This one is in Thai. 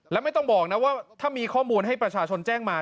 และไม่ต้องบอกนะว่าถ้ามีข้อมูลให้ประชาชนแจ้งมา